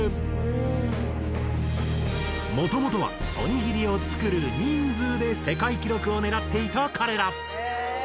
もともとはおにぎりを作る「人数」で世界記録を狙っていた彼ら。